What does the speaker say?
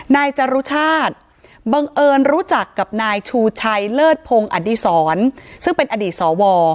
นายจรุชาติบังเอิญรู้จักกับนายชูชัยเลิศพงศ์อดีศรซึ่งเป็นอดีตสว